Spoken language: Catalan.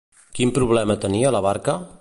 Quin problema tenia la barca?